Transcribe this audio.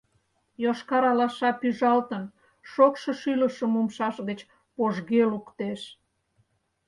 Йошкар алаша пӱжалтын, шокшо шӱлышым умшаж гыч пожге луктеш.